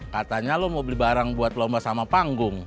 katanya lo mau beli barang buat lomba sama panggung